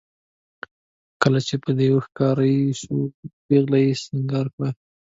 کله چې به دېو ښکاره شو یوه پېغله یې سینګار کړه.